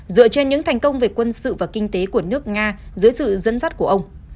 dựa trên những thành công về quân sự và kinh tế của nước nga dưới sự dẫn dắt của ông